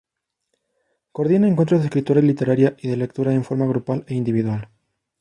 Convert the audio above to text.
Coordina encuentros de escritura literaria y de lectura en forma grupal e individual.